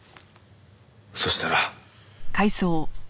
そしたら。